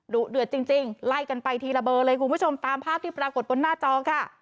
เดือดจริงไล่กันไปทีละเบอร์เลยคุณผู้ชมตามภาพที่ปรากฏบนหน้าจอค่ะ